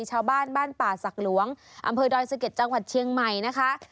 ชาวบ้านบ้านป่าศักดิ์หลวงอำเภอดอยสะเก็ดจังหวัดเชียงใหม่นะคะ